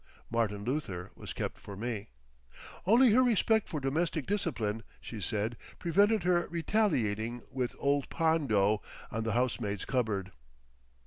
"Martin Luther" was kept for me. Only her respect for domestic discipline, she said, prevented her retaliating with "Old Pondo" on the housemaid's cupboard.